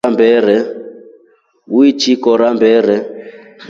Uichi kora mbere?